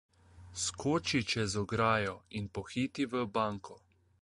Skoči čez ograjo in pohiti v banko.